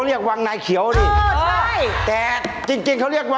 แล้วตอบว่า